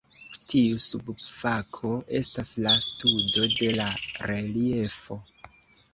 Tiu subfako estas la studo de la reliefo.